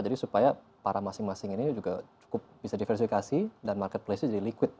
jadi supaya para masing masing ini juga cukup bisa diversifikasi dan marketplace nya jadi liquid